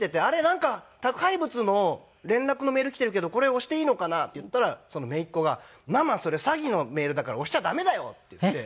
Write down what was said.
なんか宅配物の連絡のメールが来ているけどこれ押していいのかな？」って言ったらその姪っ子が「ママそれ詐欺のメールだから押しちゃ駄目だよ」って言って。